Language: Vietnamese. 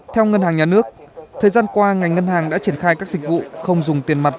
theo ngân hàng nhà nước thời gian qua ngành ngân hàng đã triển khai các dịch vụ không dùng tiền mặt